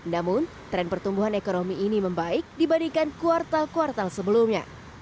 namun tren pertumbuhan ekonomi ini membaik dibandingkan kuartal kuartal sebelumnya